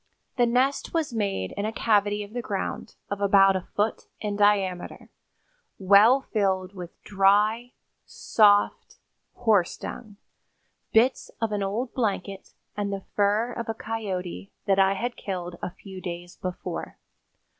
The nest was made in a cavity of the ground, of about a foot in diameter, well filled with dry, soft horse dung, bits of an old blanket and the fur of a coyote that I had killed a few days before.